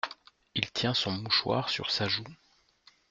Il tient son mouchoir sur sa joue.